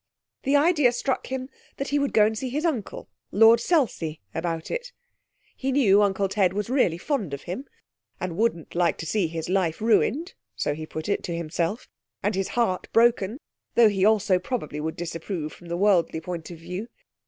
The idea struck him that he would go and see his uncle, Lord Selsey, about it. He knew Uncle Ted was really fond of him, and wouldn't like to see his life ruined (so he put it to himself), and his heart broken, though he also probably would disapprove from the worldly point of view.